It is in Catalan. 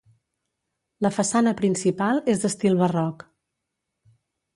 La façana principal és d'estil barroc.